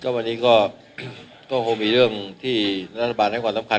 วันนี้ก็คงมีเรื่องที่รัฐบาลให้ความสำคัญ